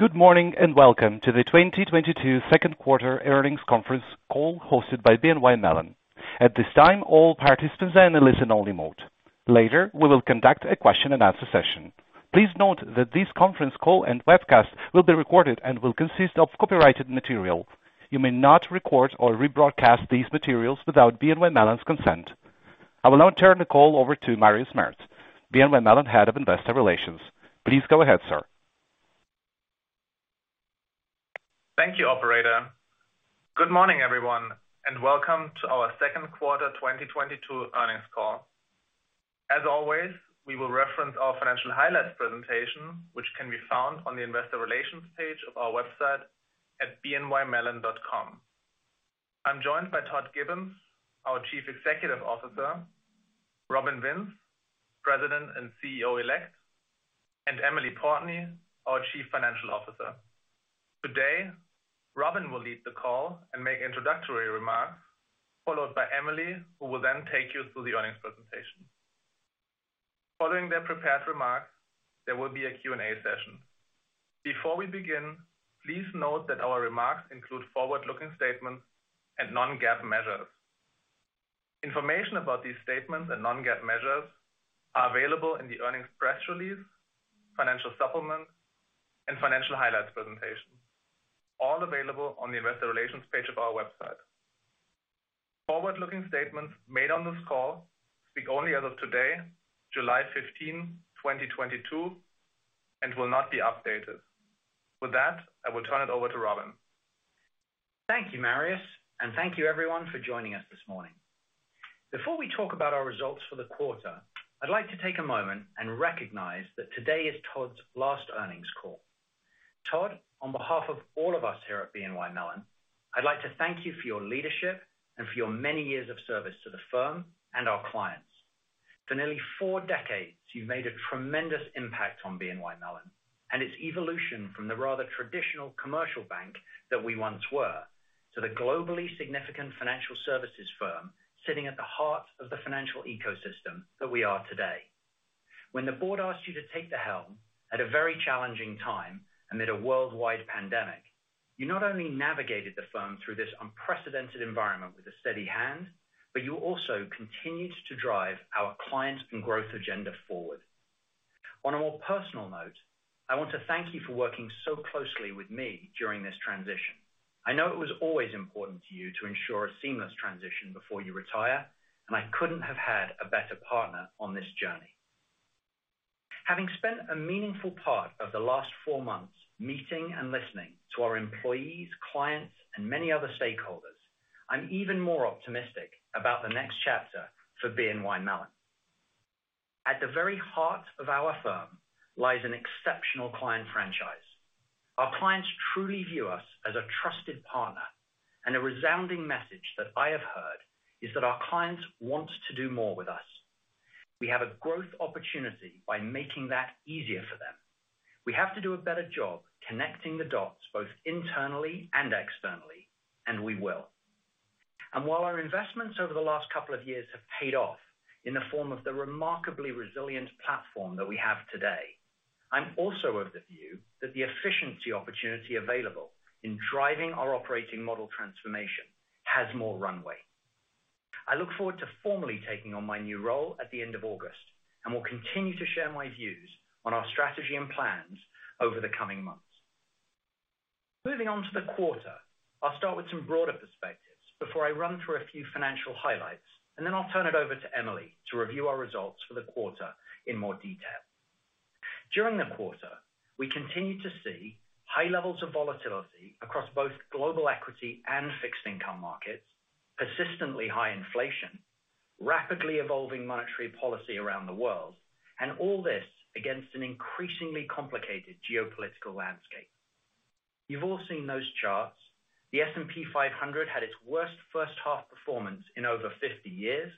Good morning, and welcome to the 2022 second quarter earnings conference call hosted by BNY Mellon. At this time, all participants are in a listen only mode. Later, we will conduct a question and answer session. Please note that this conference call and webcast will be recorded and will consist of copyrighted material. You may not record or rebroadcast these materials without BNY Mellon's consent. I will now turn the call over to Marius Merz, BNY Mellon Head of Investor Relations. Please go ahead, sir. Thank you, operator. Good morning, everyone, and welcome to our second quarter 2022 earnings call. As always, we will reference our financial highlights presentation, which can be found on the investor relations page of our website at bnymellon.com. I'm joined by Todd Gibbons, our Chief Executive Officer, Robin Vince, President and CEO Elect, and Emily Portney, our Chief Financial Officer. Today, Robin will lead the call and make introductory remarks, followed by Emily, who will then take you through the earnings presentation. Following their prepared remarks, there will be a Q&A session. Before we begin, please note that our remarks include forward-looking statements and non-GAAP measures. Information about these statements and non-GAAP measures are available in the earnings press release, financial supplements, and financial highlights presentation, all available on the investor relations page of our website. Forward-looking statements made on this call speak only as of today, July 15th, 2022, and will not be updated. With that, I will turn it over to Robin. Thank you, Marius, and thank you everyone for joining us this morning. Before we talk about our results for the quarter, I'd like to take a moment and recognize that today is Todd's last earnings call. Todd, on behalf of all of us here at BNY Mellon, I'd like to thank you for your leadership and for your many years of service to the firm and our clients. For nearly four decades, you've made a tremendous impact on BNY Mellon, and its evolution from the rather traditional commercial bank that we once were to the globally significant financial services firm sitting at the heart of the financial ecosystem that we are today. When the board asked you to take the helm at a very challenging time amid a worldwide pandemic, you not only navigated the firm through this unprecedented environment with a steady hand, but you also continued to drive our client and growth agenda forward. On a more personal note, I want to thank you for working so closely with me during this transition. I know it was always important to you to ensure a seamless transition before you retire, and I couldn't have had a better partner on this journey. Having spent a meaningful part of the last four months meeting and listening to our employees, clients, and many other stakeholders, I'm even more optimistic about the next chapter for BNY Mellon. At the very heart of our firm lies an exceptional client franchise. Our clients truly view us as a trusted partner, and a resounding message that I have heard is that our clients want to do more with us. We have a growth opportunity by making that easier for them. We have to do a better job connecting the dots both internally and externally, and we will. While our investments over the last couple of years have paid off in the form of the remarkably resilient platform that we have today, I'm also of the view that the efficiency opportunity available in driving our operating model transformation has more runway. I look forward to formally taking on my new role at the end of August and will continue to share my views on our strategy and plans over the coming months. Moving on to the quarter, I'll start with some broader perspectives before I run through a few financial highlights, and then I'll turn it over to Emily to review our results for the quarter in more detail. During the quarter, we continued to see high levels of volatility across both global equity and fixed income markets, persistently high inflation, rapidly evolving monetary policy around the world, and all this against an increasingly complicated geopolitical landscape. You've all seen those charts. The S&P 500 had its worst first half performance in over 50 years.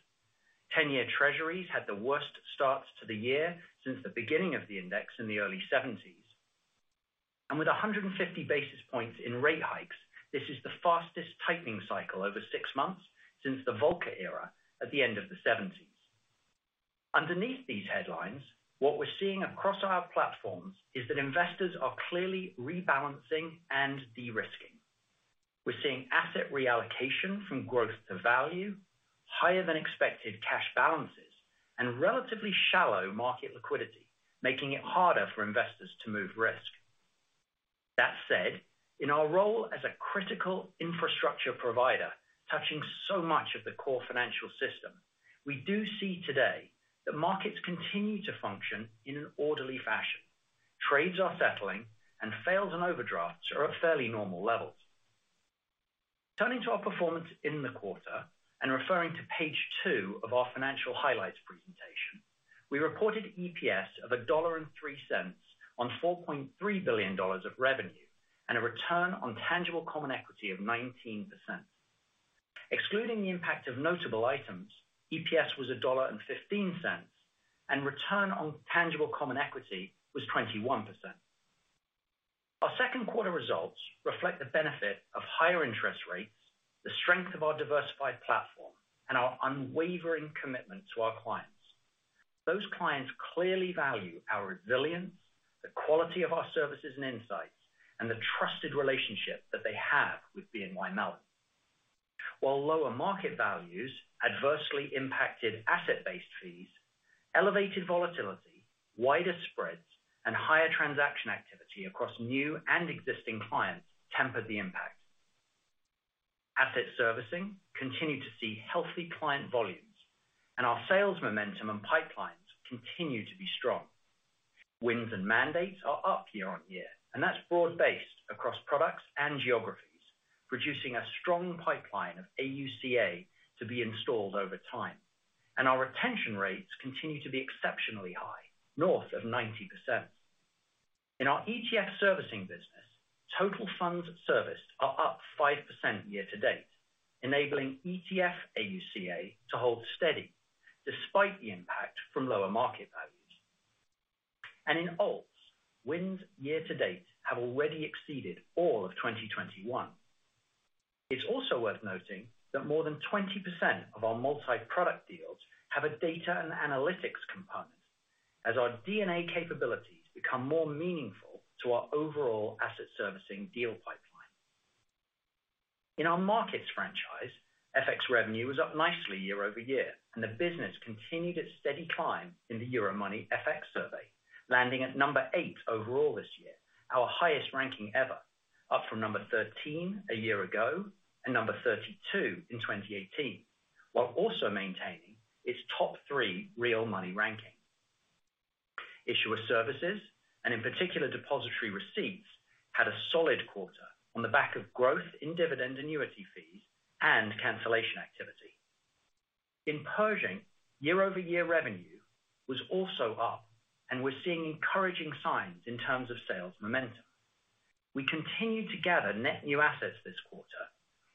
10-year treasuries had the worst starts to the year since the beginning of the index in the early 1970s. With 150 basis points in rate hikes, this is the fastest tightening cycle over six months since the Volcker era at the end of the 1970s. Underneath these headlines, what we're seeing across our platforms is that investors are clearly rebalancing and de-risking. We're seeing asset reallocation from growth to value, higher than expected cash balances, and relatively shallow market liquidity, making it harder for investors to move risk. That said, in our role as a critical infrastructure provider, touching so much of the core financial system, we do see today that markets continue to function in an orderly fashion. Trades are settling, and fails and overdrafts are at fairly normal levels. Turning to our performance in the quarter and referring to page two of our financial highlights presentation, we reported EPS of $1.03 on $4.3 billion of revenue and a return on tangible common equity of 19%. Excluding the impact of notable items, EPS was $1.15, and return on tangible common equity was 21%. Our second quarter results reflect the benefit of higher interest rates, the strength of our diversified platform, and our unwavering commitment to our clients. Those clients clearly value our resilience, the quality of our services and insights, and the trusted relationship that they have with BNY Mellon. While lower market values adversely impacted asset-based fees, elevated volatility, wider spreads, and higher transaction activity across new and existing clients tempered the impact. Asset servicing continued to see healthy client volumes and our sales momentum and pipelines continue to be strong. Wins and mandates are up year on year, and that's broad-based across products and geographies, producing a strong pipeline of AUCA to be installed over time. Our retention rates continue to be exceptionally high, north of 90%. In our ETF servicing business, total funds serviced are up 5% year-to-date, enabling ETF AUCA to hold steady despite the impact from lower market values. In Alts, wins year-to-date have already exceeded all of 2021. It's also worth noting that more than 20% of our multi-product deals have a data and analytics component as our DNA capabilities become more meaningful to our overall asset servicing deal pipeline. In our markets franchise, FX revenue was up nicely year over year, and the business continued its steady climb in the Euromoney FX survey, landing at number eight overall this year, our highest ranking ever, up from number 13 a year ago and number 32 in 2018, while also maintaining its top three real money ranking. Issuer services, and in particular depositary receipts, had a solid quarter on the back of growth in dividend annuity fees and cancellation activity. In Pershing, year-over-year revenue was also up, and we're seeing encouraging signs in terms of sales momentum. We continue to gather net new assets this quarter,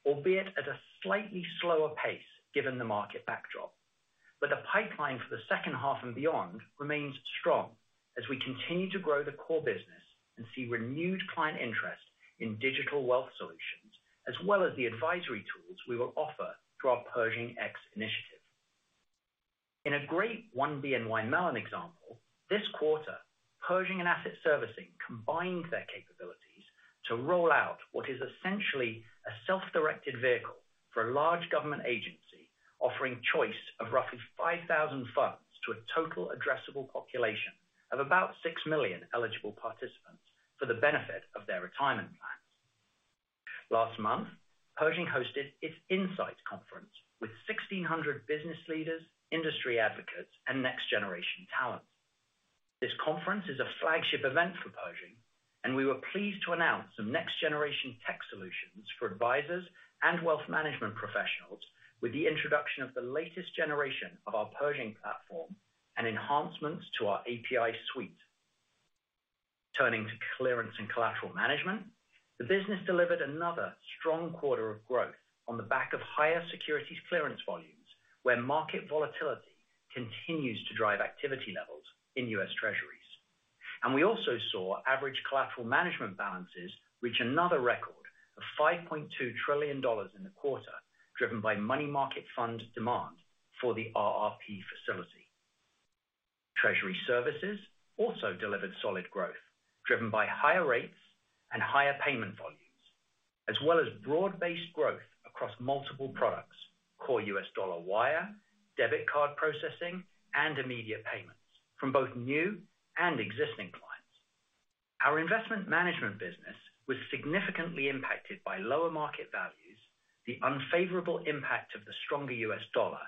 albeit at a slightly slower pace given the market backdrop. The pipeline for the second half and beyond remains strong as we continue to grow the core business and see renewed client interest in digital wealth solutions, as well as the advisory tools we will offer through our Pershing X initiative. In a great One BNY Mellon example, this quarter, Pershing and Asset Servicing combined their capabilities to roll out what is essentially a self-directed vehicle for a large government agency, offering choice of roughly 5,000 funds to a total addressable population of about 6 million eligible participants for the benefit of their retirement plans. Last month, Pershing hosted its INSITE conference with 1,600 business leaders, industry advocates, and next-generation talent. This conference is a flagship event for Pershing, and we were pleased to announce some next-generation tech solutions for advisors and wealth management professionals with the introduction of the latest generation of our Pershing platform and enhancements to our API suite. Turning to clearance and collateral management, the business delivered another strong quarter of growth on the back of higher securities clearance volumes, where market volatility continues to drive activity levels in U.S. Treasuries. We also saw average collateral management balances reach another record of $5.2 trillion in the quarter, driven by money market fund demand for the RRP facility. Treasury services also delivered solid growth driven by higher rates and higher payment volumes, as well as broad-based growth across multiple products, core U.S. dollar wire, debit card processing, and immediate payments from both new and existing clients. Our investment management business was significantly impacted by lower market values, the unfavorable impact of the stronger U.S. dollar,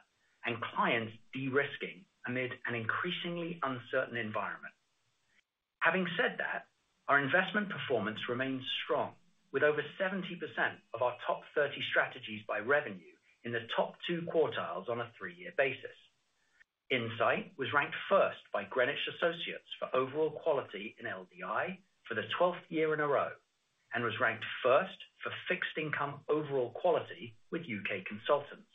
and clients de-risking amid an increasingly uncertain environment. Having said that, our investment performance remains strong, with over 70% of our top 30 strategies by revenue in the top two quartiles on a three-year basis. Insight was ranked first by Greenwich Associates for overall quality in LDI for the 12th year in a row, and was ranked first for fixed income overall quality with U.K. consultants.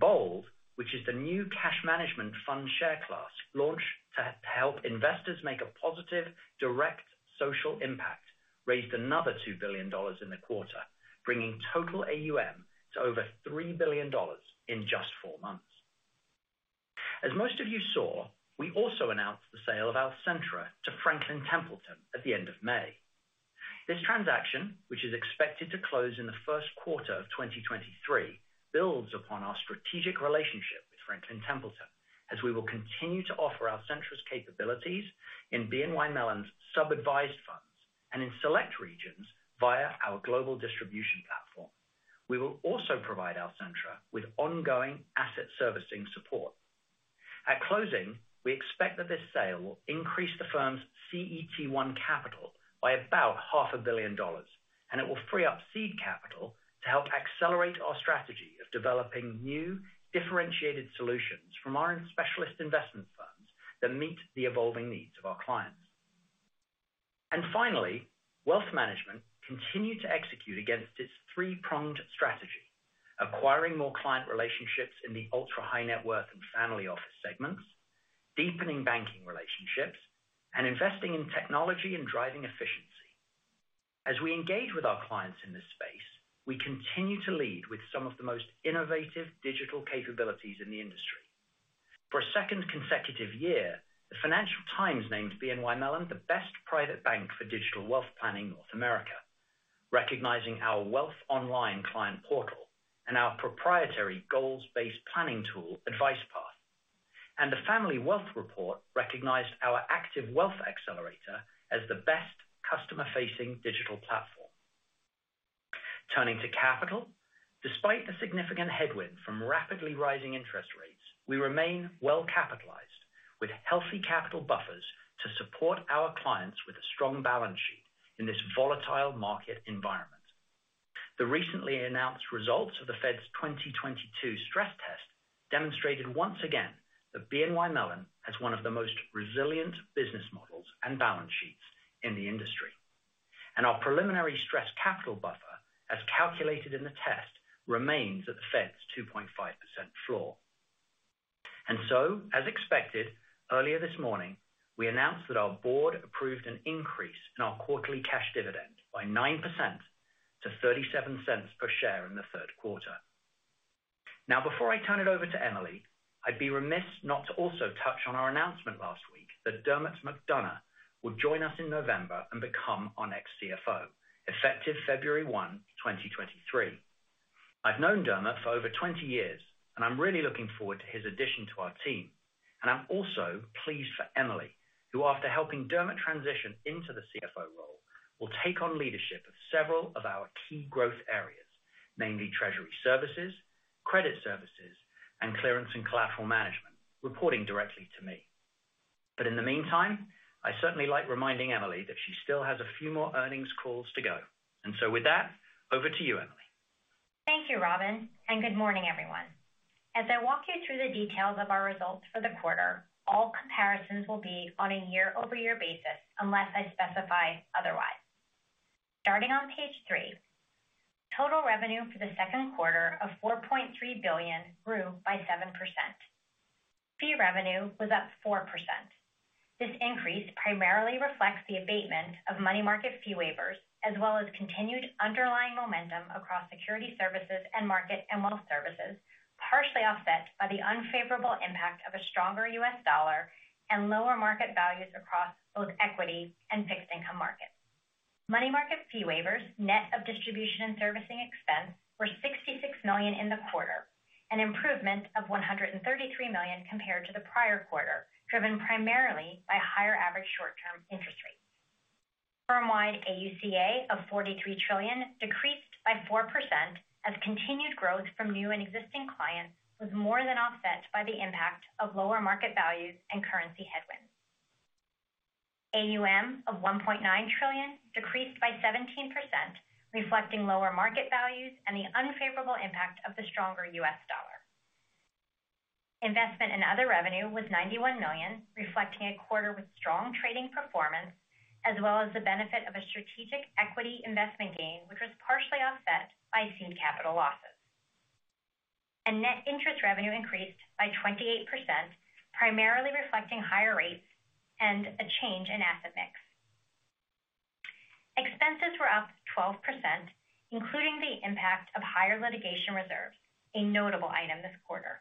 BOLD, which is the new cash management fund share class launched to help investors make a positive, direct social impact, raised another $2 billion in the quarter, bringing total AUM to over $3 billion in just four months. As most of you saw, we also announced the sale of Alcentra to Franklin Templeton at the end of May. This transaction, which is expected to close in the first quarter of 2023, builds upon our strategic relationship with Franklin Templeton, as we will continue to offer Alcentra's capabilities in BNY Mellon's sub-advised funds and in select regions via our global distribution platform. We will also provide Alcentra with ongoing asset servicing support. At closing, we expect that this sale will increase the firm's CET1 capital by about $500 million, and it will free up seed capital to help accelerate our strategy of developing new differentiated solutions from our own specialist investment funds that meet the evolving needs of our clients. Finally, wealth management continued to execute against its three-pronged strategy, acquiring more client relationships in the ultra-high net worth and family office segments, deepening banking relationships, and investing in technology and driving efficiency. As we engage with our clients in this space, we continue to lead with some of the most innovative digital capabilities in the industry. For a second consecutive year, the Financial Times named BNY Mellon the best private bank for digital wealth planning North America, recognizing our wealth online client portal and our proprietary goals-based planning tool, Advice Path. The Family Wealth Report recognized our active wealth accelerator as the best customer-facing digital platform. Turning to capital. Despite the significant headwind from rapidly rising interest rates, we remain well capitalized with healthy capital buffers to support our clients with a strong balance sheet in this volatile market environment. The recently announced results of the Fed's 2022 stress test demonstrated once again that BNY Mellon has one of the most resilient business models and balance sheets in the industry, and our preliminary stress capital buffer, as calculated in the test, remains at the Fed's 2.5% floor. As expected, earlier this morning, we announced that our board approved an increase in our quarterly cash dividend by 9% to $0.37 per share in the third quarter. Now before I turn it over to Emily, I'd be remiss not to also touch on our announcement last week that Dermot McDonogh will join us in November and become our next CFO, effective February 1, 2023. I've known Dermot for over 20 years, and I'm really looking forward to his addition to our team. I'm also pleased for Emily, who, after helping Dermot transition into the CFO role, will take on leadership of several of our key growth areas, namely Treasury Services, Credit Services, and Clearance and Collateral Management, reporting directly to me. But in the meantime, I certainly like reminding Emily that she still has a few more earnings calls to go. With that, over to you, Emily. Thank you, Robin, and good morning, everyone. As I walk you through the details of our results for the quarter, all comparisons will be on a year-over-year basis unless I specify otherwise. Starting on page three. Total revenue for the second quarter of $4.3 billion grew by 7%. Fee revenue was up 4%. This increase primarily reflects the abatement of money market fee waivers, as well as continued underlying momentum across security services and market and wealth services, partially offset by the unfavorable impact of a stronger U.S. dollar and lower market values across both equity and fixed income markets. Money market fee waivers, net of distribution and servicing expense, were $66 million in the quarter, an improvement of $133 million compared to the prior quarter, driven primarily by higher average short-term interest rates. Firm-wide AUCA of $43 trillion decreased by 4% as continued growth from new and existing clients was more than offset by the impact of lower market values and currency headwind. AUM of $1.9 trillion decreased by 17%, reflecting lower market values and the unfavorable impact of the stronger U.S. dollar. Investment and other revenue was $91 million, reflecting a quarter with strong trading performance as well as the benefit of a strategic equity investment gain, which was partially offset by seed capital losses. Net interest revenue increased by 28%, primarily reflecting higher rates and a change in asset mix. Expenses were up 12%, including the impact of higher litigation reserves, a notable item this quarter.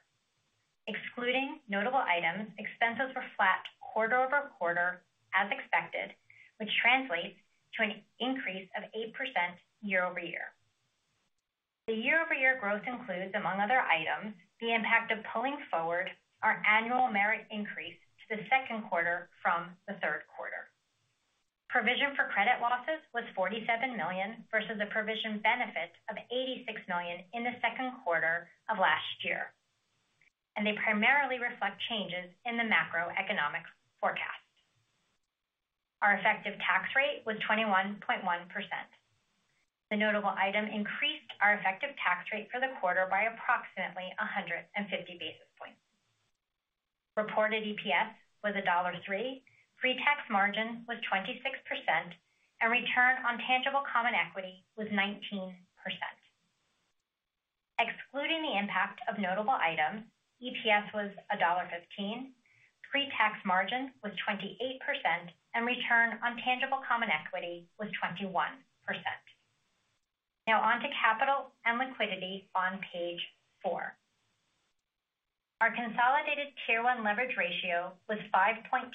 Excluding notable items, expenses were flat quarter-over-quarter as expected, which translates to an increase of 8% year-over-year. The year-over-year growth includes, among other items, the impact of pulling forward our annual merit increase to the second quarter from the third quarter. Provision for credit losses was $47 million versus a provision benefit of $86 million in the second quarter of last year. They primarily reflect changes in the macroeconomic forecast. Our effective tax rate was 21.1%. The notable item increased our effective tax rate for the quarter by approximately 150 basis points. Reported EPS was $1.03. Pre-tax margin was 26%, and return on tangible common equity was 19%. Excluding the impact of notable items, EPS was $1.15, pre-tax margin was 28%, and return on tangible common equity was 21%. Now on to capital and liquidity on page four. Our consolidated Tier 1 leverage ratio was 5.2%,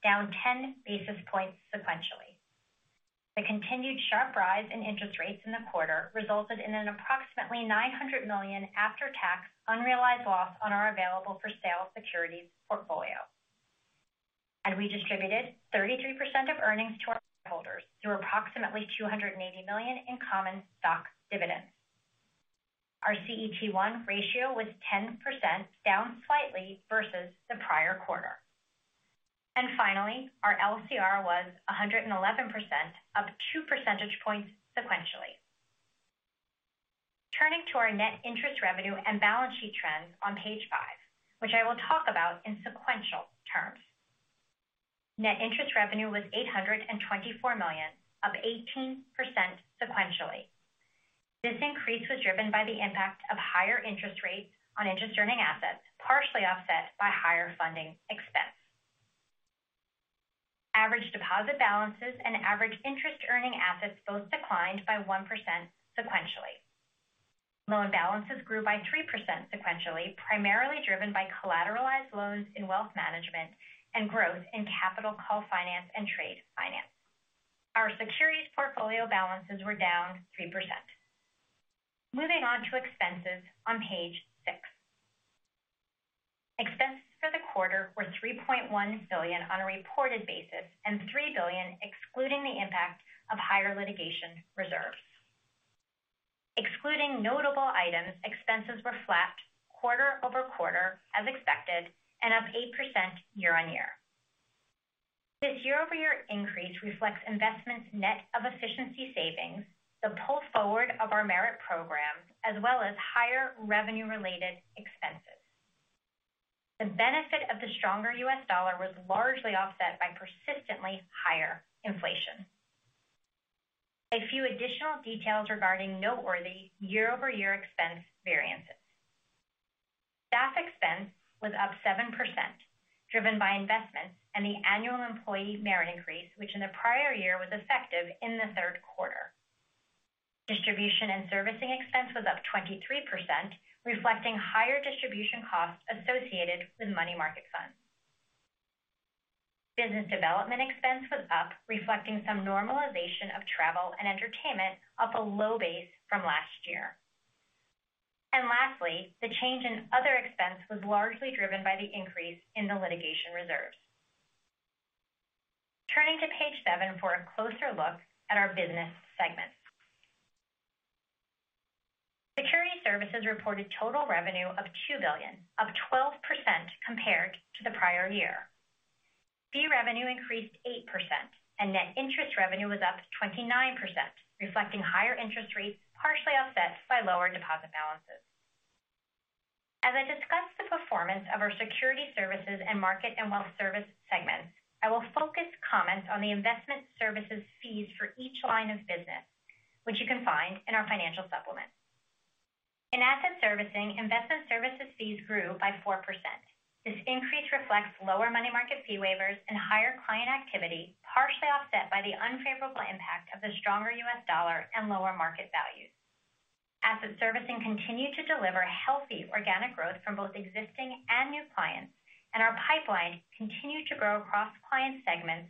down 10 basis points sequentially. The continued sharp rise in interest rates in the quarter resulted in an approximately $900 million after-tax unrealized loss on our available for sale securities portfolio. We distributed 33% of earnings to our shareholders through approximately $280 million in common stock dividends. Our CET1 ratio was 10%, down slightly versus the prior quarter. Finally, our LCR was 111%, up 2 percentage points sequentially. Turning to our net interest revenue and balance sheet trends on page five, which I will talk about in sequential terms. Net interest revenue was $824 million, up 18% sequentially. This increase was driven by the impact of higher interest rates on interest earning assets, partially offset by higher funding expense. Average deposit balances and average interest earning assets both declined by 1% sequentially. Loan balances grew by 3% sequentially, primarily driven by collateralized loans in wealth management and growth in capital call finance and trade finance. Our securities portfolio balances were down 3%. Moving on to expenses on page six. Expenses for the quarter were $3.1 billion on a reported basis, and $3 billion excluding the impact of higher litigation reserves. Excluding notable items, expenses were flat quarter-over-quarter as expected, and up 8% year-over-year. This year-over-year increase reflects investments net of efficiency savings, the pull forward of our merit program, as well as higher revenue related expenses. The benefit of the stronger U.S. dollar was largely offset by persistently higher inflation. A few additional details regarding noteworthy year-over-year expense variances. Staff expense was up 7%, driven by investments and the annual employee merit increase, which in the prior year was effective in the third quarter. Distribution and servicing expense was up 23%, reflecting higher distribution costs associated with money market funds. Business development expense was up, reflecting some normalization of travel and entertainment off a low base from last year. Lastly, the change in other expense was largely driven by the increase in the litigation reserves. Turning to page seven for a closer look at our business segment. Security Services reported total revenue of $2 billion, up 12% compared to the prior year. Fee revenue increased 8% and net interest revenue was up 29%, reflecting higher interest rates, partially offset by lower deposit balances. As I discuss the performance of our securities services and market and wealth services segments, I will focus comments on the investment services fees for each line of business, which you can find in our financial supplement. In asset servicing, investment services fees grew by 4%. This increase reflects lower money market fee waivers and higher client activity, partially offset by the unfavorable impact of the stronger U.S. dollar and lower market values. Asset servicing continued to deliver healthy organic growth from both existing and new clients, and our pipeline continued to grow across client segments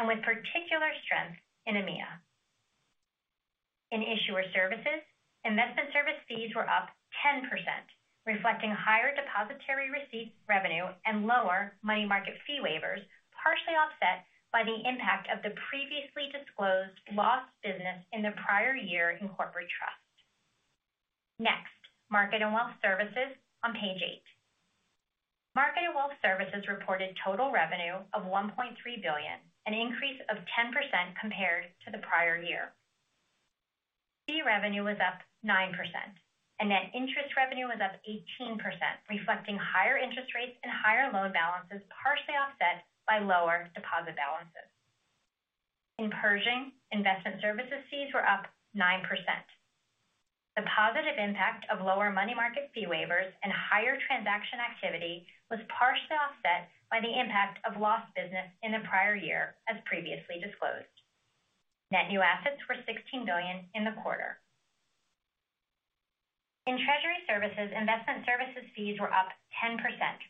and with particular strength in EMEA. In issuer services, investment services fees were up 10%, reflecting higher depositary receipt revenue and lower money market fee waivers, partially offset by the impact of the previously disclosed lost business in the prior year in corporate trust. Next, market and wealth services on page eight. Market and wealth services reported total revenue of $1.3 billion, an increase of 10% compared to the prior year. Fee revenue was up 9% and net interest revenue was up 18%, reflecting higher interest rates and higher loan balances, partially offset by lower deposit balances. In Pershing, investment services fees were up 9%. The positive impact of lower money market fee waivers and higher transaction activity was partially offset by the impact of lost business in the prior year, as previously disclosed. Net new assets were $16 billion in the quarter. In treasury services, investment services fees were up 10%,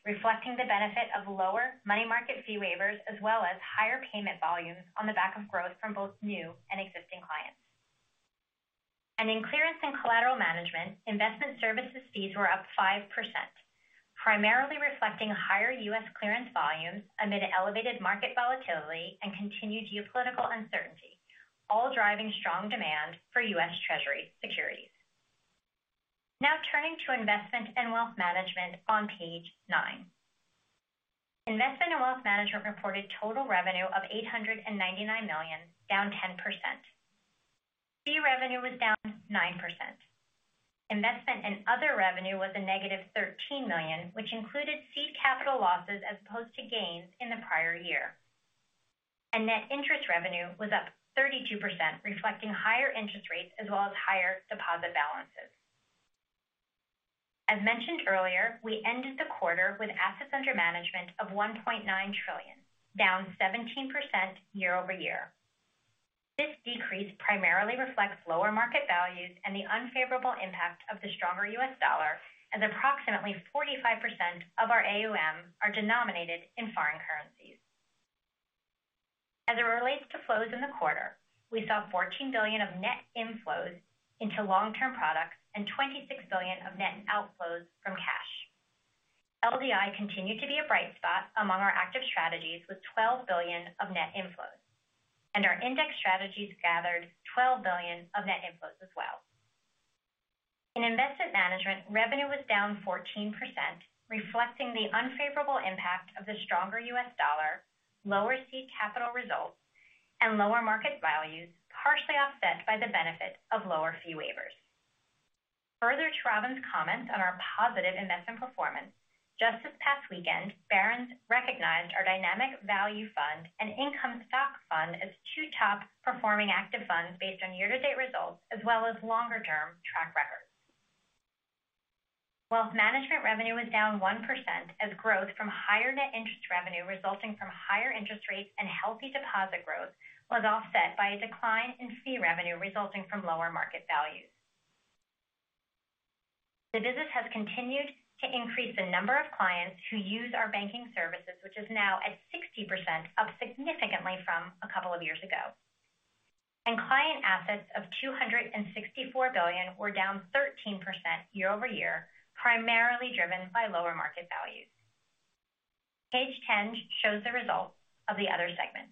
reflecting the benefit of lower money market fee waivers, as well as higher payment volumes on the back of growth from both new and existing clients. In clearance and collateral management, investment services fees were up 5%, primarily reflecting higher U.S. clearance volumes amid elevated market volatility and continued geopolitical uncertainty, all driving strong demand for U.S. Treasury securities. Now turning to investment and wealth management on page nine. Investment and wealth management reported total revenue of $899 million, down 10%. Fee revenue was down 9%. Investment and other revenue was -$13 million, which included seed capital losses as opposed to gains in the prior year. Net interest revenue was up 32%, reflecting higher interest rates as well as higher deposit balances. As mentioned earlier, we ended the quarter with assets under management of $1.9 trillion, down 17% year-over-year. This decrease primarily reflects lower market values and the unfavorable impact of the stronger U.S. dollar as approximately 45% of our AUM are denominated in foreign currencies. As it relates to flows in the quarter, we saw $14 billion of net inflows into long-term products and $26 billion of net outflows from cash. LDI continued to be a bright spot among our active strategies with $12 billion of net inflows, and our index strategies gathered $12 billion of net inflows as well. In investment management, revenue was down 14%, reflecting the unfavorable impact of the stronger U.S. dollar, lower seed capital results, and lower market values, partially offset by the benefit of lower fee waivers. Further to Robin's comments on our positive investment performance, just this past weekend, Barron's recognized our Dynamic Value Fund and Income Stock Fund as two top-performing active funds based on year-to-date results as well as longer-term track records. Wealth management revenue was down 1% as growth from higher net interest revenue resulting from higher interest rates and healthy deposit growth was offset by a decline in fee revenue resulting from lower market values. The business has continued to increase the number of clients who use our banking services, which is now at 60%, up significantly from a couple of years ago. Client assets of $264 billion were down 13% year-over-year, primarily driven by lower market values. Page 10 shows the results of the other segment.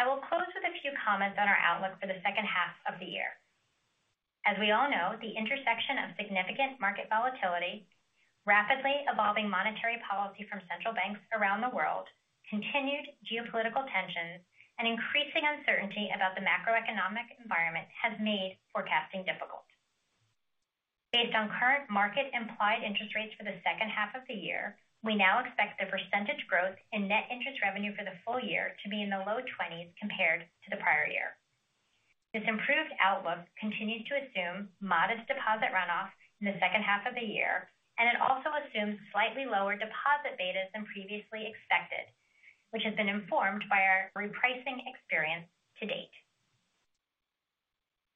I will close with a few comments on our outlook for the second half of the year. As we all know, the intersection of significant market volatility, rapidly evolving monetary policy from central banks around the world, continued geopolitical tensions, and increasing uncertainty about the macroeconomic environment has made forecasting difficult. Based on current market-implied interest rates for the second half of the year, we now expect the percentage growth in net interest revenue for the full year to be in the low 20s% compared to the prior year. This improved outlook continues to assume modest deposit runoff in the second half of the year, and it also assumes slightly lower deposit betas than previously expected, which has been informed by our repricing experience to date.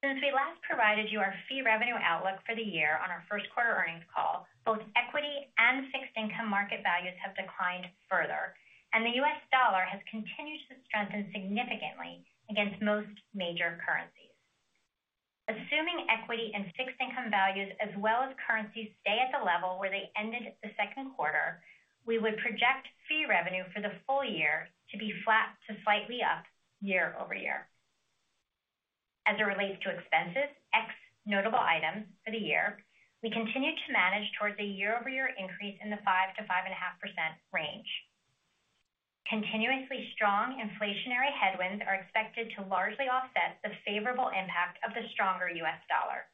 Since we last provided you our fee revenue outlook for the year on our first quarter earnings call, both equity and fixed income market values have declined further, and the U.S. dollar has continued to strengthen significantly against most major currencies. Assuming equity and fixed income values as well as currencies stay at the level where they ended the second quarter, we would project fee revenue for the full year to be flat to slightly up year-over-year. As it relates to expenses, ex notable items for the year, we continue to manage towards a year-over-year increase in the 5%-5.5% range. Continuously strong inflationary headwinds are expected to largely offset the favorable impact of the stronger U.S. dollar.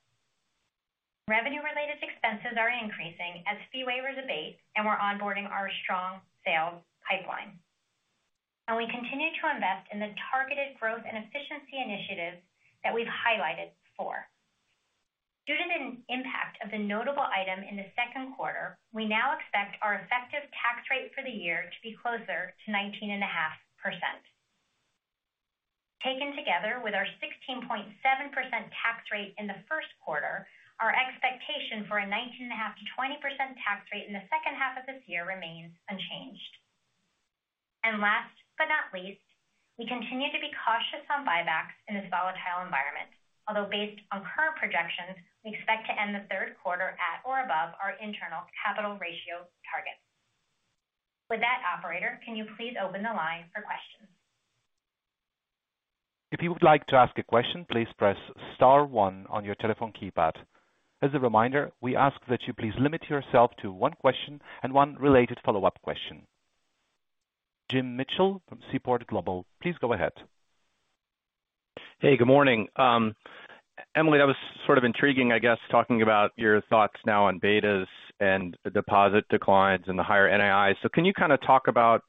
Revenue-related expenses are increasing as fee waivers abate and we're onboarding our strong sales pipeline. We continue to invest in the targeted growth and efficiency initiatives that we've highlighted before. Due to the impact of the notable item in the second quarter, we now expect our effective tax rate for the year to be closer to 19.5%. Taken together with our 16.7% tax rate in the first quarter, our expectation for a 19.5%-20% tax rate in the second half of this year remains unchanged. Last but not least, we continue to be cautious on buybacks in this volatile environment. Although based on current projections, we expect to end the third quarter at or above our internal capital ratio target. With that, operator, can you please open the line for questions? If you would like to ask a question, please press star one on your telephone keypad. As a reminder, we ask that you please limit yourself to one question and one related follow-up question. Jim Mitchell from Seaport Global, please go ahead. Hey, good morning. Emily, that was sort of intriguing, I guess, talking about your thoughts now on betas and the deposit declines and the higher NII. Can you kind of talk about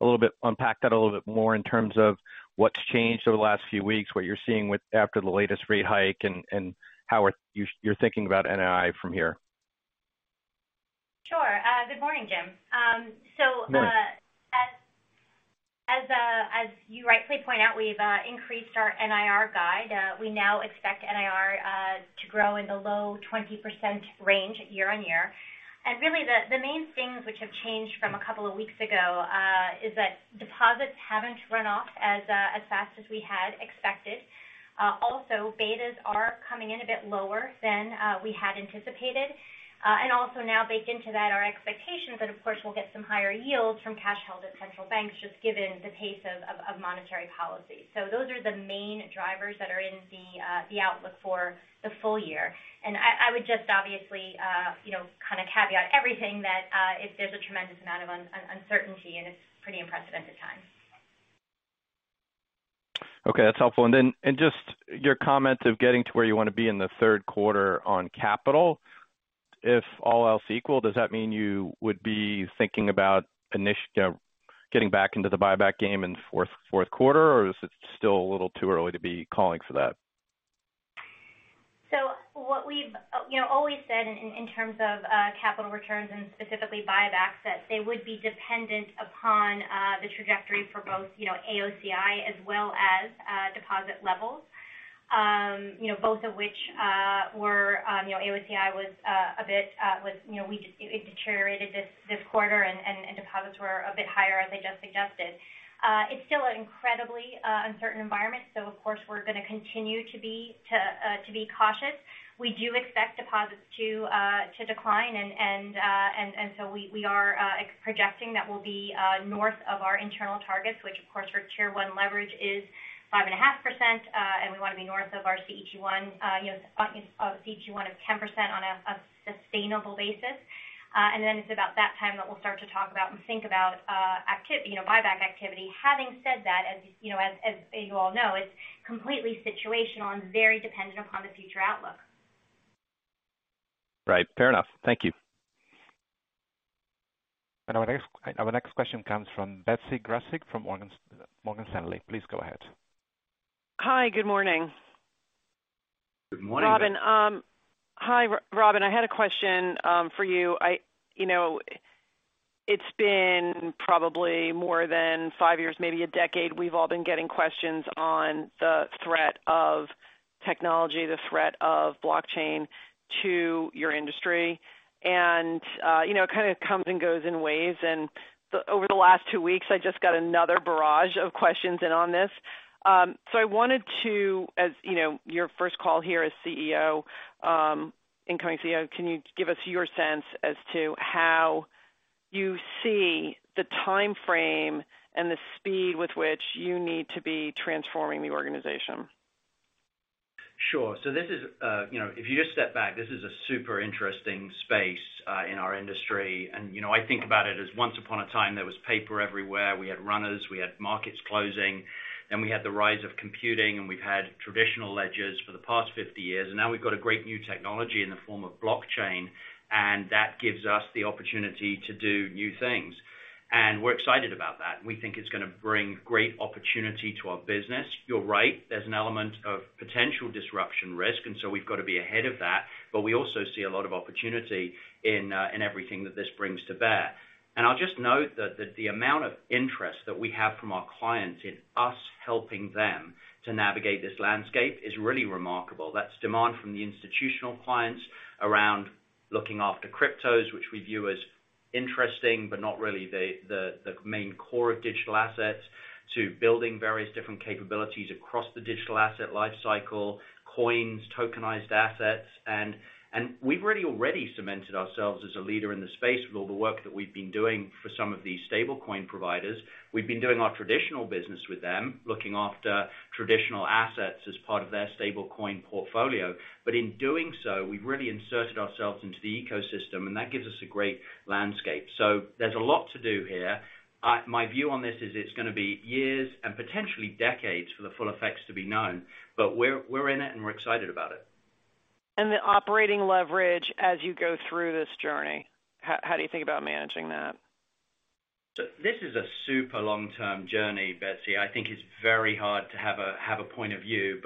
a little bit, unpack that a little bit more in terms of what's changed over the last few weeks, what you're seeing with after the latest rate hike and how you're thinking about NII from here? Sure. Good morning, Jim. Morning. As you rightly point out, we've increased our NIR guide. We now expect NIR to grow in the low 20% range year-on-year. Really the main things which have changed from a couple of weeks ago is that deposits haven't run off as fast as we had expected. Also, betas are coming in a bit lower than we had anticipated. And also now baked into that are expectations that, of course, we'll get some higher yields from cash held at central banks, just given the pace of monetary policy. Those are the main drivers that are in the outlook for the full year. I would just obviously, you know, kind of caveat everything that if there's a tremendous amount of uncertainty, and it's pretty unprecedented times. Okay, that's helpful. Just your comment of getting to where you wanna be in the third quarter on capital, if all else equal, does that mean you would be thinking about getting back into the buyback game in fourth quarter, or is it still a little too early to be calling for that? What we've you know always said in terms of capital returns and specifically buybacks, that they would be dependent upon the trajectory for both you know AOCI as well as deposit levels. You know both of which were you know AOCI was a bit was you know it deteriorated this quarter and deposits were a bit higher as I just suggested. It's still an incredibly uncertain environment, of course we're gonna continue to be cautious. We do expect deposits to decline and so we are projecting that we'll be north of our internal targets, which of course our Tier 1 leverage is 5.5%, and we wanna be north of our CET1, you know, of CET1 of 10% on sustainable basis. Then it's about that time that we'll start to talk about and think about, you know, buyback activity. Having said that, as you know, as you all know, it's completely situational and very dependent upon the future outlook. Right. Fair enough. Thank you. Our next question comes from Betsy Graseck from Morgan Stanley. Please go ahead. Hi, good morning. Good morning. Robin, hi, Robin, I had a question for you. You know, it's been probably more than five years, maybe a decade, we've all been getting questions on the threat of technology, the threat of blockchain to your industry. You know, it kind of comes and goes in waves. Over the last two weeks, I just got another barrage of questions in on this. I wanted to ask, you know, your first call here as CEO, incoming CEO, can you give us your sense as to how you see the timeframe and the speed with which you need to be transforming the organization? Sure. This is, you know, if you just step back, this is a super interesting space, in our industry. You know, I think about it as once upon a time, there was paper everywhere. We had runners, we had markets closing, then we had the rise of computing, and we've had traditional ledgers for the past 50 years. Now we've got a great new technology in the form of blockchain, and that gives us the opportunity to do new things. We're excited about that. We think it's gonna bring great opportunity to our business. You're right, there's an element of potential disruption risk, and so we've got to be ahead of that. But we also see a lot of opportunity in everything that this brings to bear. I'll just note that the amount of interest that we have from our clients in us helping them to navigate this landscape is really remarkable. That's demand from the institutional clients around looking after cryptos, which we view as interesting, but not really the main core of digital assets, to building various different capabilities across the digital asset lifecycle, coins, tokenized assets. We've really already cemented ourselves as a leader in the space with all the work that we've been doing for some of these stable coin providers. We've been doing our traditional business with them, looking after traditional assets as part of their stable coin portfolio. In doing so, we've really inserted ourselves into the ecosystem, and that gives us a great landscape. There's a lot to do here. My view on this is it's gonna be years and potentially decades for the full effects to be known, but we're in it, and we're excited about it. The operating leverage as you go through this journey, how do you think about managing that? This is a super long-term journey, Betsy. I think it's very hard to have a point of view.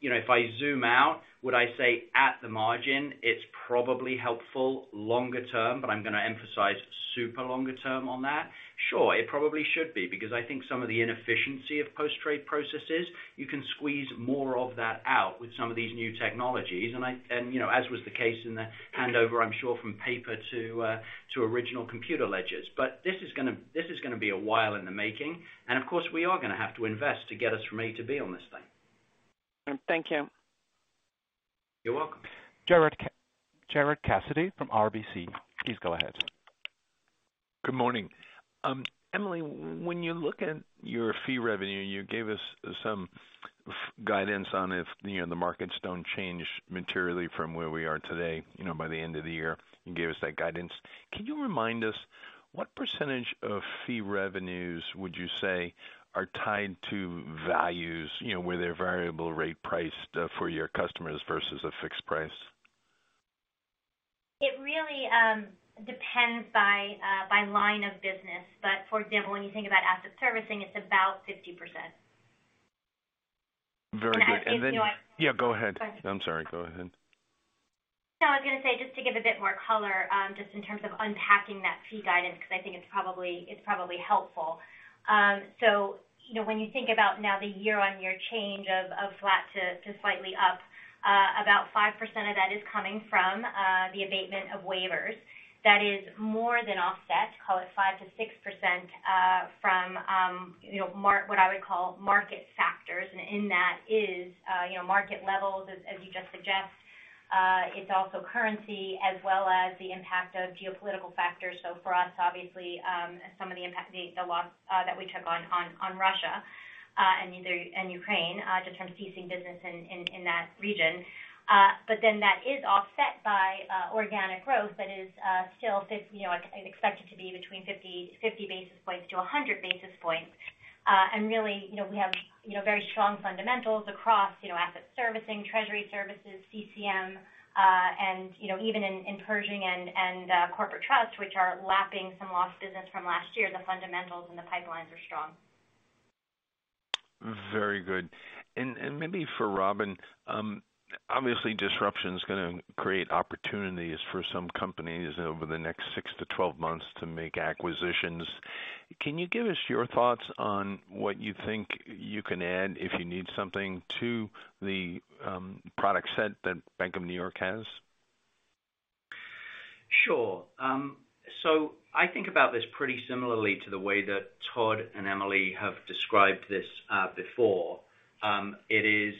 You know, if I zoom out, would I say at the margin, it's probably helpful longer term, but I'm gonna emphasize super longer term on that. Sure, it probably should be, because I think some of the inefficiency of post-trade processes, you can squeeze more of that out with some of these new technologies. You know, as was the case in the handover, I'm sure from paper to original computer ledgers. This is gonna be a while in the making. Of course, we are gonna have to invest to get us from A to B on this thing. Thank you. You're welcome. Gerard Cassidy from RBC, please go ahead. Good morning. Emily, when you look at your fee revenue, you gave us some fee guidance on if, you know, the markets don't change materially from where we are today, you know, by the end of the year. You gave us that guidance. Can you remind us what percentage of fee revenues would you say are tied to values, you know, where they're variable rate priced, for your customers versus a fixed price? It really depends by line of business. For example, when you think about asset servicing, it's about 50%. Very good. I think you Yeah, go ahead. Go ahead. I'm sorry. Go ahead. No, I was gonna say, just to give a bit more color, just in terms of unpacking that fee guidance, because I think it's probably helpful. You know, when you think about now the year-on-year change of flat to slightly up, about 5% of that is coming from the abatement of waivers. That is more than offset, call it 5%-6%, from what I would call market factors. In that is you know, market levels as you just suggest. It's also currency as well as the impact of geopolitical factors. For us, obviously, some of the impact, the loss that we took on Russia and Ukraine, just in terms of ceasing business in that region. That is offset by organic growth that is still expected to be between 50-100 basis points. Really, you know, we have, you know, very strong fundamentals across, you know, asset servicing, treasury services, CCM, and, you know, even in Pershing and corporate trust, which are lapping some lost business from last year. The fundamentals and the pipelines are strong. Very good. Maybe for Robin, obviously disruption's gonna create opportunities for some companies over the next six to 12 months to make acquisitions. Can you give us your thoughts on what you think you can add if you need something to the product set that Bank of New York Mellon has? Sure. I think about this pretty similarly to the way that Todd and Emily have described this before. It is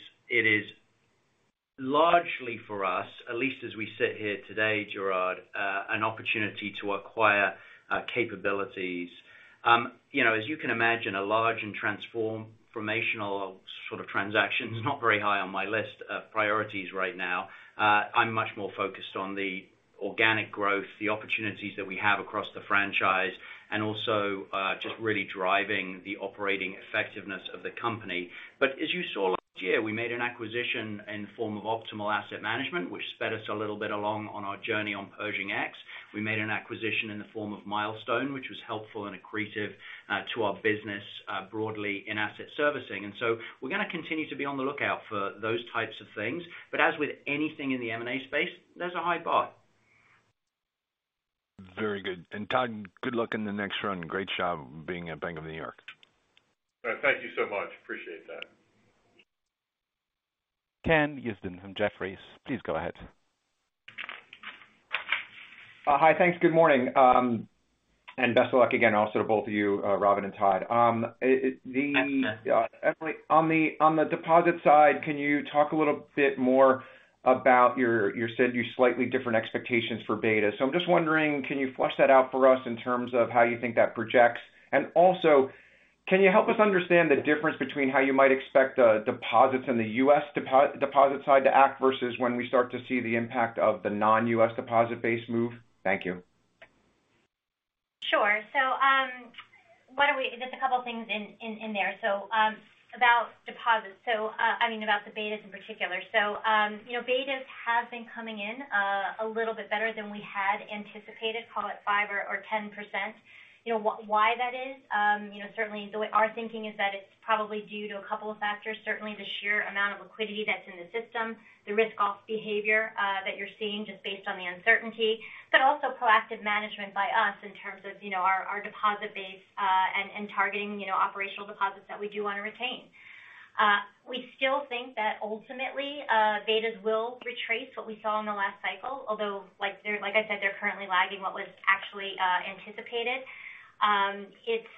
largely for us, at least as we sit here today, Gerard, an opportunity to acquire capabilities. You know, as you can imagine, a large and transformational sort of transaction is not very high on my list of priorities right now. I'm much more focused on the organic growth, the opportunities that we have across the franchise, and also, just really driving the operating effectiveness of the company. As you saw last year, we made an acquisition in the form of Optimal Asset Management, which sped us a little bit along on our journey on Pershing X. We made an acquisition in the form of Milestone, which was helpful and accretive to our business broadly in asset servicing. We're gonna continue to be on the lookout for those types of things. As with anything in the M&A space, there's a high bar. Very good. Todd, good luck in the next run. Great job being at Bank of New York Mellon. All right. Thank you so much. Appreciate that. Ken Usdin from Jefferies, please go ahead. Hi. Thanks. Good morning, and best of luck again also to both of you, Robin and Todd. Thanks, Ken. Emily, on the deposit side, can you talk a little bit more about your, you said your slightly different expectations for beta. I'm just wondering, can you flesh that out for us in terms of how you think that projects? Also, can you help us understand the difference between how you might expect deposits in the U.S. deposit side to act versus when we start to see the impact of the non-U.S. deposit base move? Thank you. Sure. Just a couple of things in there. About deposits. I mean about the betas in particular. You know, betas have been coming in a little bit better than we had anticipated, call it 5% or 10%. You know, why that is, certainly the way our thinking is that it's probably due to a couple of factors. Certainly the sheer amount of liquidity that's in the system, the risk-off behavior that you're seeing just based on the uncertainty, but also proactive management by us in terms of you know our deposit base and targeting you know operational deposits that we do wanna retain. We still think that ultimately, betas will retrace what we saw in the last cycle, although, like, they're, like I said, they're currently lagging what was actually anticipated. It's,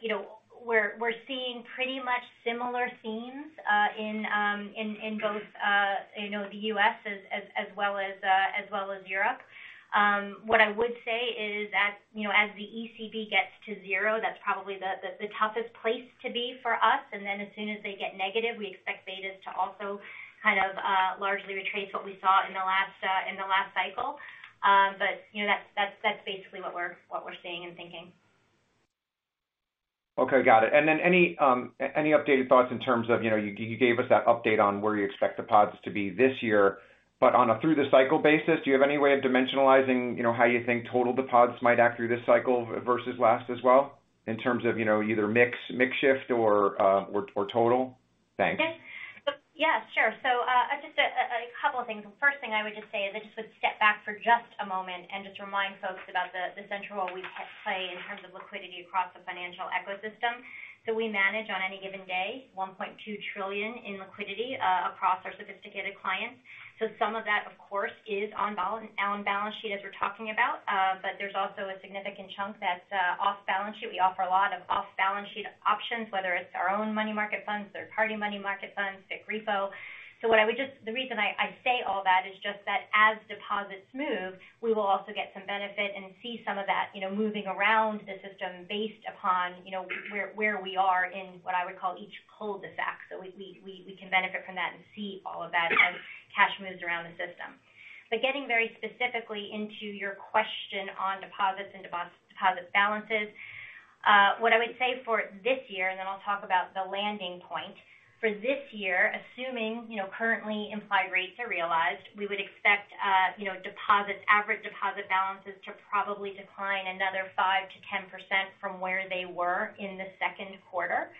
you know, we're seeing pretty much similar themes in both, you know, the U.S. as well as Europe. What I would say is, you know, as the ECB gets to zero, that's probably the toughest place to be for us. Then as soon as they get negative, we expect betas to also kind of largely retrace what we saw in the last cycle. You know, that's basically what we're seeing and thinking. Okay. Got it. Any updated thoughts in terms of, you know, you gave us that update on where you expect deposits to be this year, but on a through the cycle basis, do you have any way of dimensionalizing, you know, how you think total deposits might act through this cycle versus last as well in terms of, you know, either mix shift or total? Thanks. Yes. Sure. Just a couple of things. First thing I would just say is I just would step back for just a moment and just remind folks about the central role we play in terms of liquidity across the financial ecosystem. We manage on any given day $1.2 trillion in liquidity across our sophisticated clients. Some of that, of course, is on balance sheet, as we're talking about. But there's also a significant chunk that's off balance sheet. We offer a lot of off balance sheet options, whether it's our own money market funds or third-party money market funds, big repo. What I would say all that is just that as deposits move, we will also get some benefit and see some of that, you know, moving around the system based upon, you know, where we are in what I would call each pull of the sack. We can benefit from that and see all of that as cash moves around the system. Getting very specifically into your question on deposits and deposit balances, what I would say for this year, and then I'll talk about the landing point. For this year, assuming, you know, currently implied rates are realized, we would expect, you know, deposits, average deposit balances to probably decline another 5%-10% from where they were in the second quarter,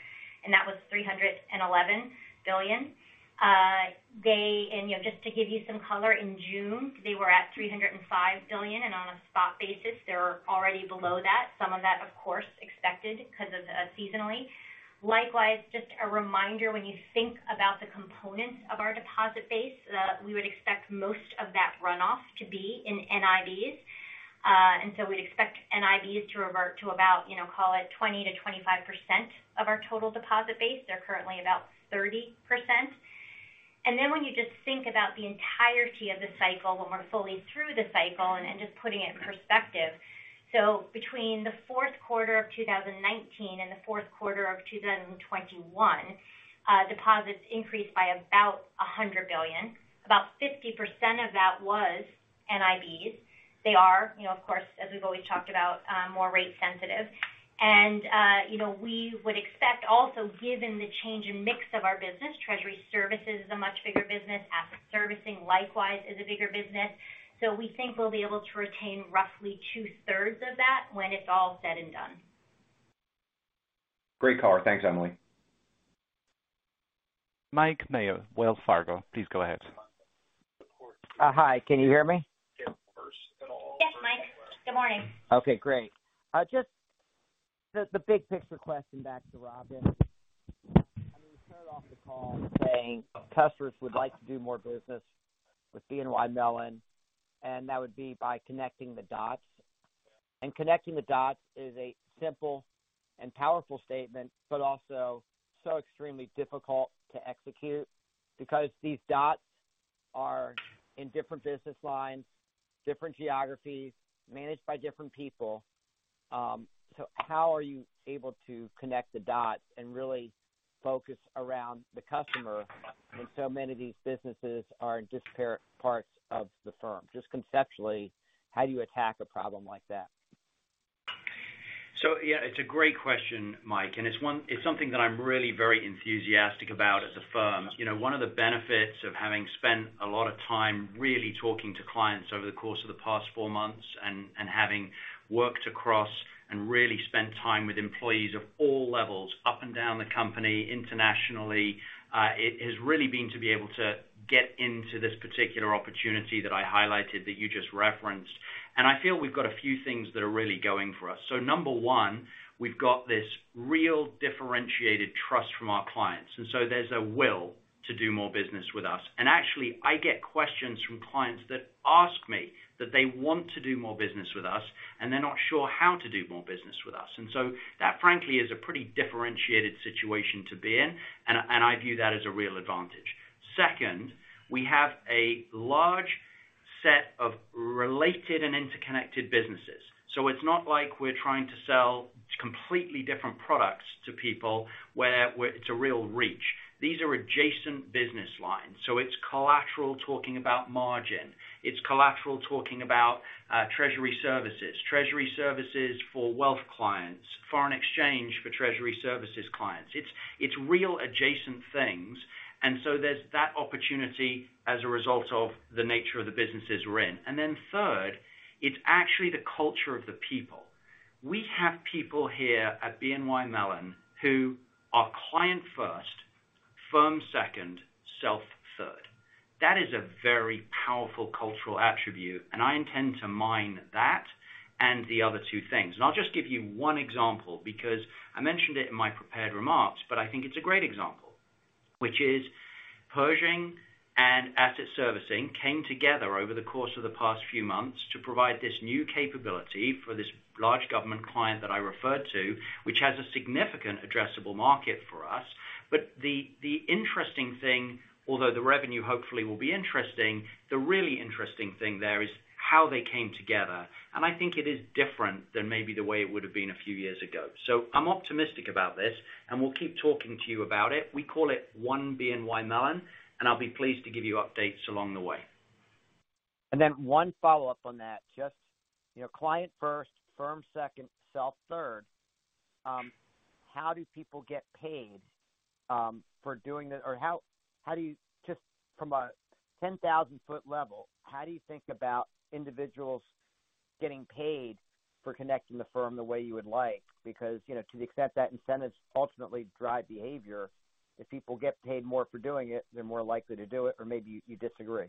and that was $311 billion. You know, just to give you some color, in June, they were at $305 billion, and on a spot basis, they're already below that. Some of that, of course, expected because of seasonal. Likewise, just a reminder, when you think about the components of our deposit base, we would expect most of that runoff to be in NIBs. We'd expect NIBs to revert to about, you know, call it 20%-25% of our total deposit base. They're currently about 30%. When you just think about the entirety of the cycle when we're fully through the cycle and just putting it in perspective. Between the fourth quarter of 2019 and the fourth quarter of 2021, deposits increased by about $100 billion. About 50% of that was NIBs. They are, you know, of course, as we've always talked about, more rate sensitive. You know, we would expect also given the change in mix of our business, treasury services is a much bigger business. Asset servicing likewise is a bigger business. We think we'll be able to retain roughly two-thirds of that when it's all said and done. Great call. Thanks, Emily. Mike Mayo, Wells Fargo, please go ahead. Hi, can you hear me? Yes, Mike. Good morning. Okay, great. Just the big picture question back to Robin. I mean, you started off the call saying customers would like to do more business with BNY Mellon, and that would be by connecting the dots. Connecting the dots is a simple and powerful statement, but also so extremely difficult to execute because these dots are in different business lines, different geographies, managed by different people. How are you able to connect the dots and really focus around the customer when so many of these businesses are in disparate parts of the firm? Just conceptually, how do you attack a problem like that? Yeah, it's a great question, Mike, and it's one, it's something that I'm really very enthusiastic about as a firm. You know, one of the benefits of having spent a lot of time really talking to clients over the course of the past four months and having worked across and really spent time with employees of all levels up and down the company internationally, it has really been to be able to get into this particular opportunity that I highlighted that you just referenced. I feel we've got a few things that are really going for us. Number one, we've got this real differentiated trust from our clients. There's a will to do more business with us. Actually, I get questions from clients that ask me that they want to do more business with us, and they're not sure how to do more business with us. That, frankly, is a pretty differentiated situation to be in, and I view that as a real advantage. Second, we have a large set of related and interconnected businesses, so it's not like we're trying to sell completely different products to people where it's a real reach. These are adjacent business lines, so it's collateral talking about margin. It's collateral talking about treasury services. Treasury services for wealth clients. Foreign exchange for treasury services clients. It's real adjacent things. There's that opportunity as a result of the nature of the businesses we're in. Then third, it's actually the culture of the people. We have people here at BNY Mellon who are client first, firm second, self third. That is a very powerful cultural attribute, and I intend to mine that and the other two things. I'll just give you one example, because I mentioned it in my prepared remarks, but I think it's a great example. Which is Pershing and Asset Servicing came together over the course of the past few months to provide this new capability for this large government client that I referred to, which has a significant addressable market for us. The interesting thing, although the revenue hopefully will be interesting, the really interesting thing there is how they came together. I think it is different than maybe the way it would've been a few years ago. I'm optimistic about this, and we'll keep talking to you about it. We call it One BNY Mellon, and I'll be pleased to give you updates along the way. One follow-up on that. Just, you know, client first, firm second, self third. How do people get paid for doing this? Or how do you just from a 10,000-foot level, how do you think about individuals getting paid for connecting the firm the way you would like? Because, you know, to the extent that incentives ultimately drive behavior, if people get paid more for doing it, they're more likely to do it, or maybe you disagree.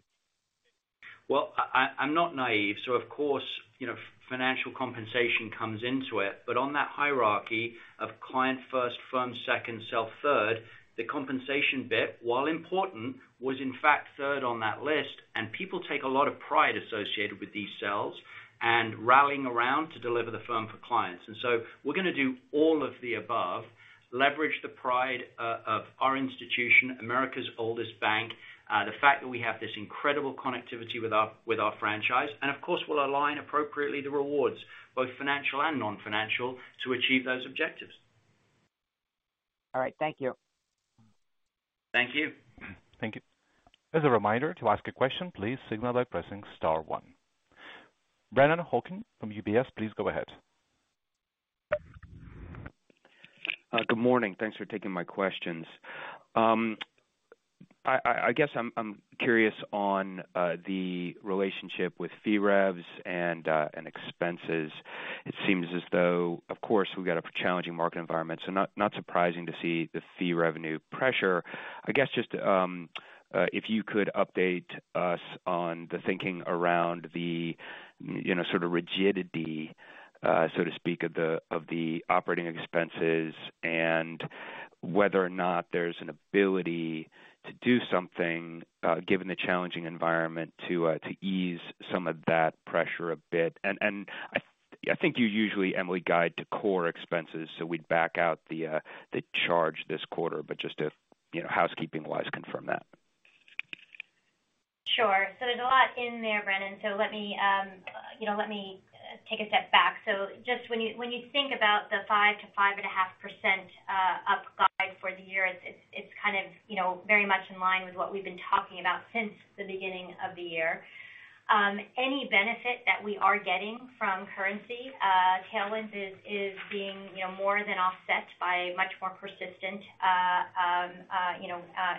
Well, I'm not naive, so of course, you know, financial compensation comes into it. But on that hierarchy of client first, firm second, self third, the compensation bit, while important, was in fact third on that list. People take a lot of pride associated with these sales and rallying around to deliver the firm for clients. We're gonna do all of the above, leverage the pride of our institution, America's oldest bank, the fact that we have this incredible connectivity with our franchise. Of course, we'll align appropriately the rewards, both financial and non-financial, to achieve those objectives. All right. Thank you. Thank you. Thank you. As a reminder to ask a question, please signal by pressing star one. Brennan Hawken from UBS, please go ahead. Good morning. Thanks for taking my questions. I guess I'm curious on the relationship with fee revs and expenses. It seems as though, of course, we've got a challenging market environment, so not surprising to see the fee revenue pressure. I guess just if you could update us on the thinking around the, you know, sort of rigidity, so to speak, of the operating expenses and whether or not there's an ability to do something, given the challenging environment to ease some of that pressure a bit. I think you usually, Emily, guide to core expenses. We'd back out the charge this quarter, but just if, you know, housekeeping-wise confirm that. Sure. There's a lot in there, Brennan. Let me take a step back. Just when you think about the 5%-5.5% up guide for the year, it's kind of very much in line with what we've been talking about since the beginning of the year. Any benefit that we are getting from currency tailwinds is being more than offset by much more persistent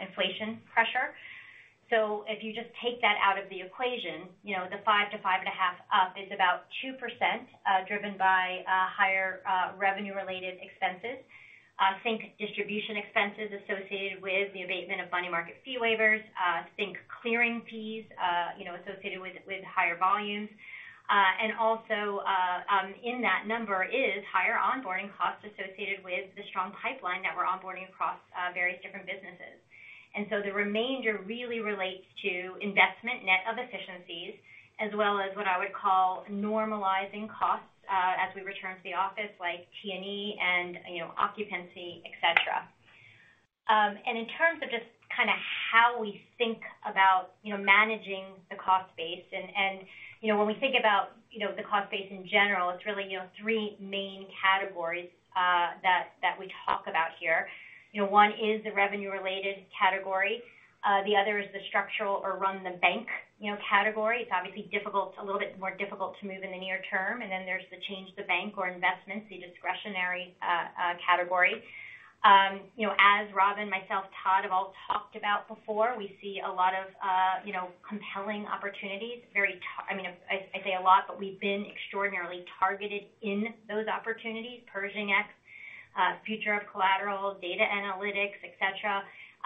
inflation pressure. If you just take that out of the equation, the 5%-5.5% up is about 2%, driven by higher revenue-related expenses. Think distribution expenses associated with the abatement of money market fee waivers. Think clearing fees, you know, associated with higher volumes. In that number is higher onboarding costs associated with the strong pipeline that we're onboarding across various different businesses. The remainder really relates to investment net of efficiencies as well as what I would call normalizing costs, as we return to the office like T&E and, you know, occupancy, et cetera. In terms of just kind of how we think about, you know, managing the cost base and, you know, when we think about, you know, the cost base in general, it's really, you know, three main categories, that we talk about here. You know, one is the revenue-related category, the other is the structural or run the bank, you know, category. It's obviously difficult, a little bit more difficult to move in the near term. There's the change in the bank or investments, the discretionary category. You know, as Robin, myself, Todd have all talked about before, we see a lot of, you know, compelling opportunities. I mean, I say a lot, but we've been extraordinarily targeted in those opportunities, Pershing X, future of collateral, data analytics, et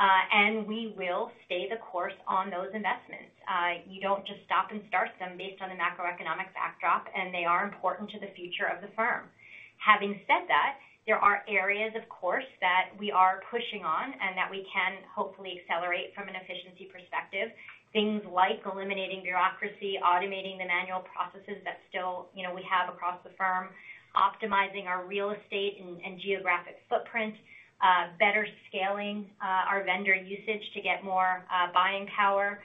cetera. We will stay the course on those investments. You don't just stop and start them based on the macroeconomic backdrop, and they are important to the future of the firm. Having said that, there are areas of course that we are pushing on and that we can hopefully accelerate from an efficiency perspective. Things like eliminating bureaucracy, automating the manual processes that still, you know, we have across the firm, optimizing our real estate and geographic footprint, better scaling our vendor usage to get more buying power,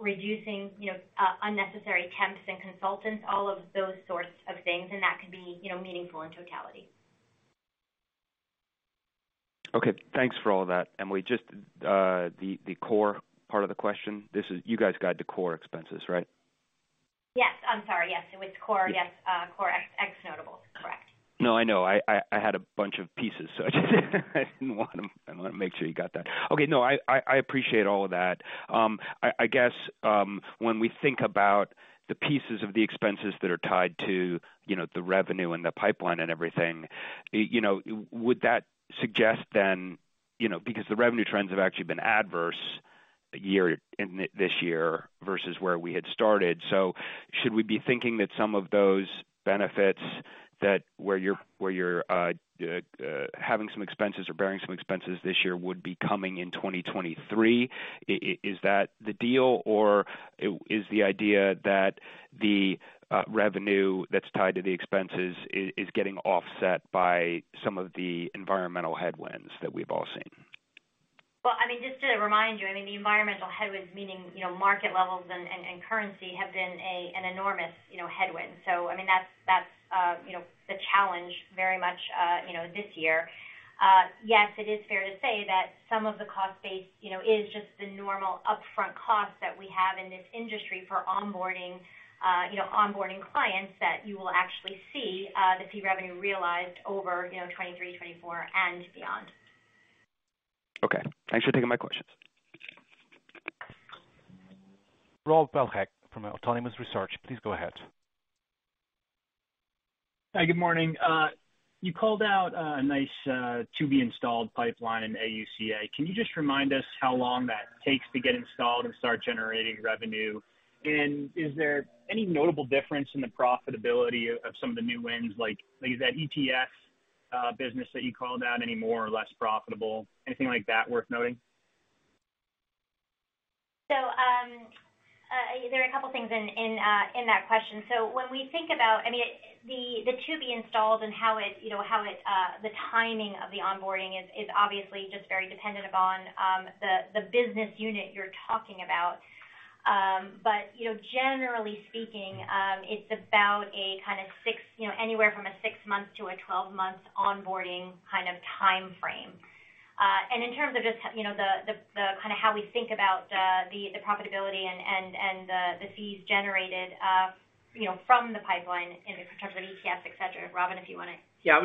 reducing, you know, unnecessary temps and consultants, all of those sorts of things, and that can be, you know, meaningful in totality. Okay. Thanks for all that. Emily, just the core part of the question. You guys guide the core expenses, right? Yes. I'm sorry. Yes. It was core. Yes, core ex notables. Correct. No, I know. I had a bunch of pieces, so I just didn't want them. I wanna make sure you got that. Okay, no, I appreciate all of that. I guess, when we think about the pieces of the expenses that are tied to, you know, the revenue and the pipeline and everything, you know, would that suggest then, you know, because the revenue trends have actually been adverse year in this year versus where we had started. Should we be thinking that some of those benefits that, where you're having some expenses or bearing some expenses this year would be coming in 2023? Is that the deal? Or is the idea that the revenue that's tied to the expenses is getting offset by some of the environmental headwinds that we've all seen? Well, I mean, just to remind you, I mean, the environmental headwinds, meaning, you know, market levels and currency have been an enormous, you know, headwind. I mean, that's you know, the challenge very much you know, this year. Yes, it is fair to say that some of the cost base, you know, is just the normal upfront cost that we have in this industry for onboarding clients that you will actually see the fee revenue realized over, you know, 2023, 2024 and beyond. Okay. Thanks for taking my questions. Rob Wildhack from Autonomous Research, please go ahead. Hi, good morning. You called out a nice to-be installed pipeline in AUCA. Can you just remind us how long that takes to get installed and start generating revenue? Is there any notable difference in the profitability of some of the new wins? Like, is that ETF business that you called out any more or less profitable? Anything like that worth noting? There are a couple things in that question. When we think about, I mean, the to-be installs and how it, you know, how it the timing of the onboarding is obviously just very dependent upon the business unit you're talking about. Generally speaking, it's about a kind of six, you know, anywhere from a six-month to a 12-month onboarding kind of timeframe. In terms of just, you know, the kind of how we think about the profitability and the fees generated, you know, from the pipeline in terms of ETFs, et cetera. Robin, if you wanna- Yeah, I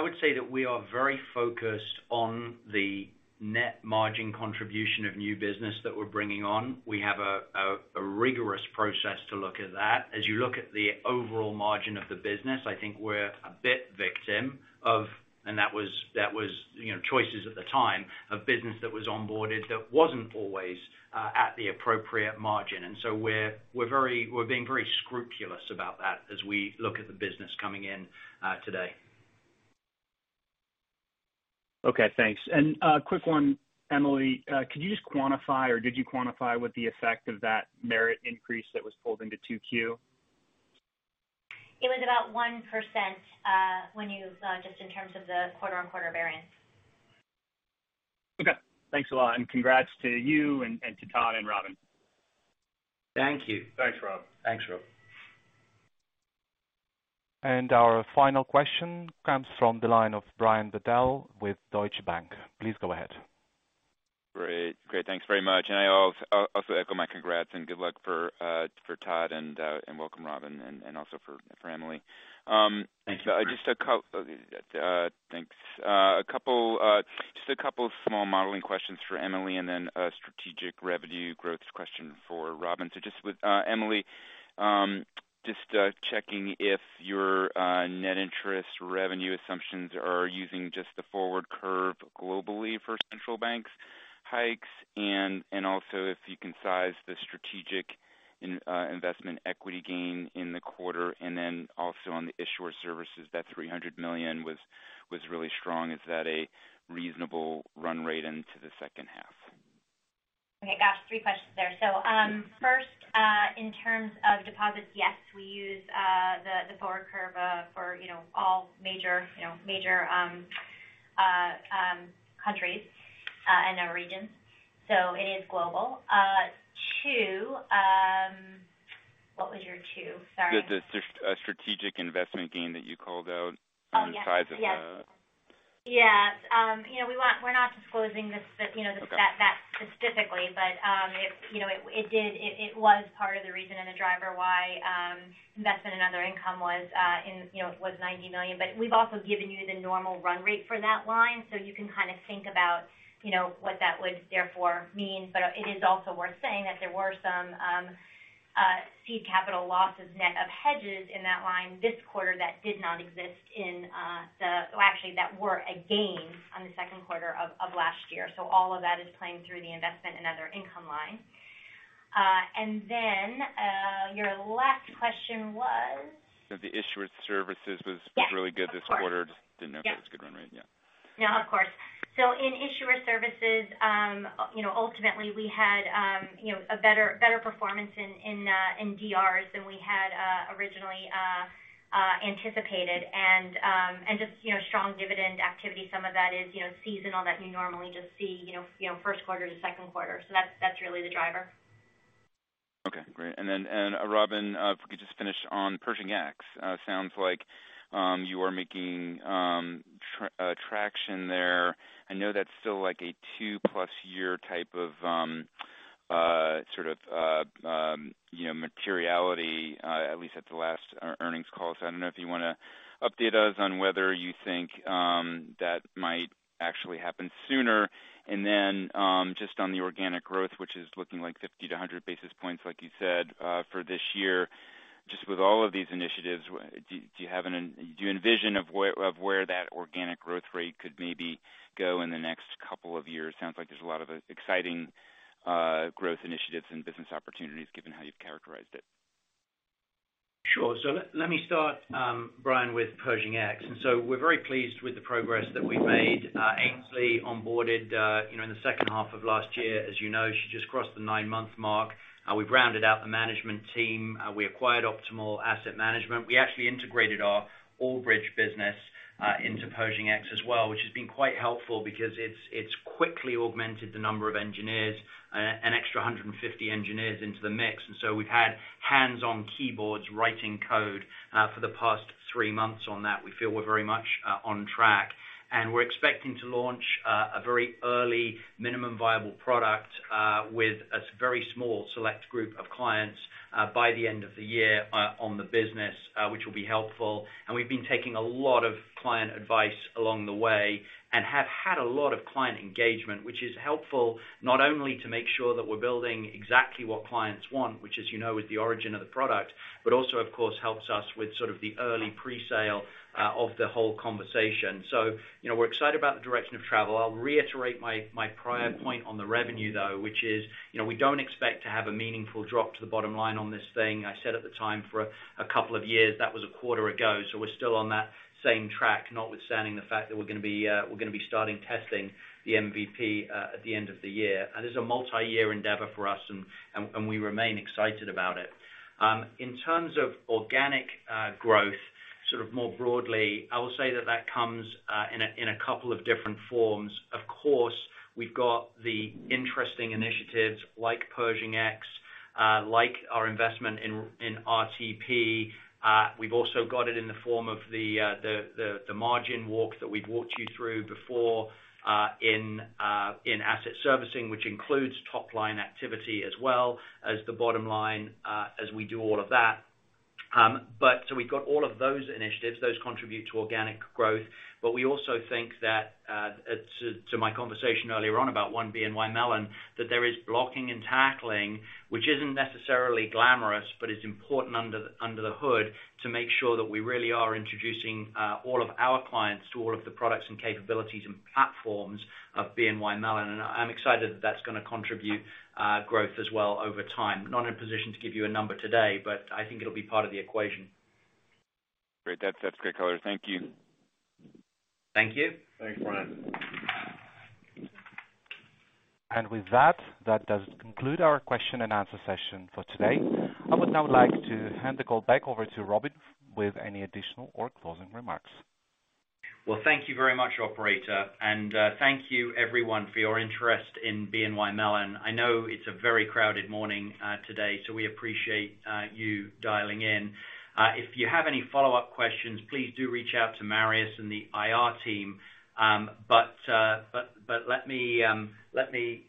would say that we are very focused on the net margin contribution of new business that we're bringing on. We have a rigorous process to look at that. As you look at the overall margin of the business, I think we're a bit victim of that. That was you know choices at the time of business that was onboarded that wasn't always at the appropriate margin. We're being very scrupulous about that as we look at the business coming in today. Okay, thanks. A quick one, Emily. Could you just quantify, or did you quantify what the effect of that merit increase that was pulled into 2Q? It was about 1%, when just in terms of the quarter-on-quarter variance. Okay. Thanks a lot, and congrats to you and to Todd and Robin. Thank you. Thanks, Rob. Thanks, Rob. Our final question comes from the line of Brian Bedell with Deutsche Bank. Please go ahead. Great. Thanks very much. I also echo my congrats and good luck for Todd and welcome Robin, and also for Emily. Thank you. Thanks. A couple of small modeling questions for Emily and then a strategic revenue growth question for Robin. Just with Emily, checking if your net interest revenue assumptions are using just the forward curve globally for central banks hikes, and also if you can size the strategic investment equity gain in the quarter. Then also on the issuer services, that $300 million was really strong. Is that a reasonable run rate into the second half? Okay. Gosh, three questions there. First, in terms of deposits, yes, we use the forward curve for you know all major countries and our regions. It is global. Two... What was your two? Sorry. The strategic investment gain that you called out. Oh, yes. -on the size of the- Yes, you know, we're not disclosing, you know, the stat- Okay. That specifically, but, you know, it did. It was part of the reason and the driver why investment and other income was $90 million. We've also given you the normal run rate for that line, so you can kinda think about, you know, what that would therefore mean. It is also worth saying that there were some seed capital losses net of hedges in that line this quarter that did not exist in the second quarter of last year. Actually, that were a gain in the second quarter of last year. So all of that is playing through the investment and other income line. Then, your last question was? That the issuer services was- Yes. Really good this quarter. Of course, yes. Just didn't know if that was a good run rate. Yeah. No, of course. In issuer services, you know, ultimately we had, you know, a better performance in DRs than we had originally anticipated. Just, you know, strong dividend activity. Some of that is, you know, seasonal that you normally just see, you know, first quarter to second quarter. That's really the driver. Okay, great. Robin, if we could just finish on Pershing X. Sounds like you are making traction there. I know that's still like a two-plus year type of sort of you know materiality at least at the last earnings call. I don't know if you wanna update us on whether you think that might actually happen sooner. Just on the organic growth, which is looking like 50-100 basis points, like you said, for this year. Just with all of these initiatives, do you envision where that organic growth rate could maybe go in the next couple of years? Sounds like there's a lot of exciting growth initiatives and business opportunities given how you've characterized it. Sure. Let me start, Brian, with Pershing X. We're very pleased with the progress that we've made. Ainslie onboarded, you know, in the second half of last year, as you know. She just crossed the nine-month mark. We've rounded out the management team. We acquired Optimal Asset Management. We actually integrated our Albridge business into Pershing X as well, which has been quite helpful because it's quickly augmented the number of engineers, an extra 150 engineers into the mix. We've had hands on keyboards writing code for the past three months on that. We feel we're very much on track. We're expecting to launch a very early minimum viable product with a very small select group of clients by the end of the year on the business which will be helpful. We've been taking a lot of client advice along the way, and have had a lot of client engagement, which is helpful, not only to make sure that we're building exactly what clients want, which, as you know, is the origin of the product, but also, of course, helps us with sort of the early pre-sale of the whole conversation. You know, we're excited about the direction of travel. I'll reiterate my prior point on the revenue, though, which is, you know, we don't expect to have a meaningful drop to the bottom line on this thing. I said at the time, for a couple of years, that was a quarter ago, so we're still on that same track, notwithstanding the fact that we're gonna be starting testing the MVP at the end of the year. It's a multi-year endeavor for us, and we remain excited about it. In terms of organic growth, sort of more broadly, I will say that comes in a couple of different forms. Of course, we've got the interesting initiatives like Pershing X, like our investment in RTP. We've also got it in the form of the margin walk that we've walked you through before, in asset servicing, which includes top-line activity as well as the bottom line, as we do all of that. We've got all of those initiatives. Those contribute to organic growth. We also think that, to my conversation earlier on about One BNY Mellon, that there is blocking and tackling, which isn't necessarily glamorous, but is important under the hood to make sure that we really are introducing all of our clients to all of the products and capabilities and platforms of BNY Mellon. I'm excited that that's gonna contribute growth as well over time. Not in a position to give you a number today, but I think it'll be part of the equation. Great. That's great color. Thank you. Thank you. Thanks, Brian. With that does conclude our question and answer session for today. I would now like to hand the call back over to Robin with any additional or closing remarks. Well, thank you very much, operator. Thank you everyone for your interest in BNY Mellon. I know it's a very crowded morning today, so we appreciate you dialing in. If you have any follow-up questions, please do reach out to Marius and the IR team. Let me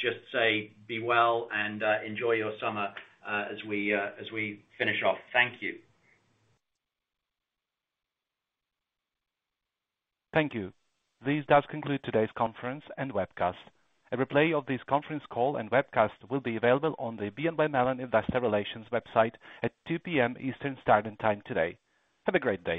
just say be well and enjoy your summer as we finish off. Thank you. Thank you. This does conclude today's conference and webcast. A replay of this conference call and webcast will be available on the BNY Mellon Investor Relations website at 2:00 P.M. Eastern Standard Time today. Have a great day.